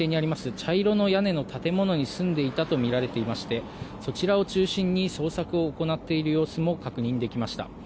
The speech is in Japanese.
茶色の屋根の建物に住んでいたとみられていましてそちらを中心に捜索を行っている様子も確認できました。